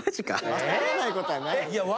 分からないことはないよ。